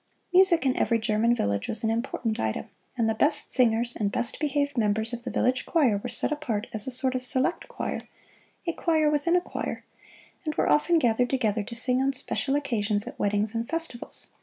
Music in every German village was an important item, and the best singers and best behaved members of the village choir were set apart as a sort of select choir a choir within a choir and were often gathered together to sing on special occasions at weddings and festivals.